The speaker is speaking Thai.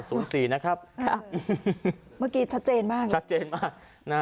ศูนย์สี่นะครับครับเมื่อกี้ชัดเจนมากชัดเจนมาก